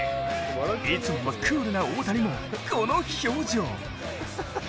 いつもはクールな大谷もこの表情。